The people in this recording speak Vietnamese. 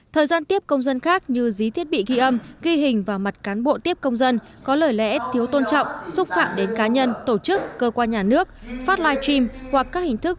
thời gian tiếp công dân khác như dí thiết bị ghi âm ghi hình vào mặt cán bộ tiếp công dân có lời lẽ thiếu tôn trọng xúc phạm đến cá nhân tổ chức cơ quan nhà nước phát live stream hoặc các hình thức